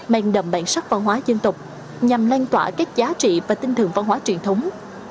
mang đậm bản sắc văn hóa dân tộc nhằm lan tỏa các giá trị và tinh thường văn hóa truyền thống